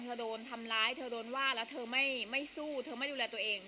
โดนทำร้ายเธอโดนว่าแล้วเธอไม่สู้เธอไม่ดูแลตัวเอง